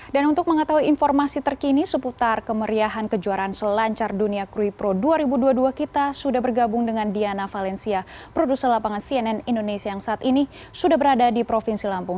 dan untuk mengetahui informasi terkini seputar kemeriahan kejuaraan selancar dunia krui pro dua ribu dua puluh dua kita sudah bergabung dengan diana valencia produser lapangan cnn indonesia yang saat ini sudah berada di provinsi lampung